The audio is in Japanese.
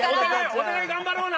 お互い頑張ろうな！